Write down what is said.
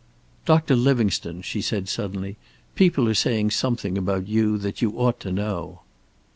"Doctor Livingstone," she said suddenly, "people are saying something about you that you ought to know."